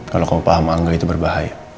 kalau kamu paham angle itu berbahaya